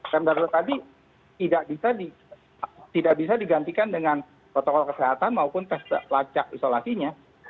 rem darurat tadi tidak bisa digantikan dengan protokol kesehatan maupun tes lacak isolasinya